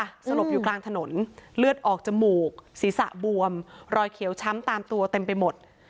สลบอยู่กลางถนนเลือดออกจมูกศีรษะบวมรอยเขียวช้ำตามตัวเต็มไปหมด